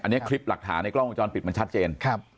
อันนี้คลิปหลักฐานในกล้องวงจรปิดมันชัดเจน